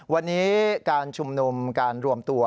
วันนี้การชุมนุมการรวมตัว